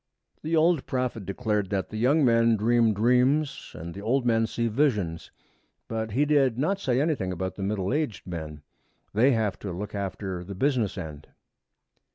The old prophet declared that the young men dream dreams and the old men see visions, but he did not say anything about the middle aged men. They have to look after the business end.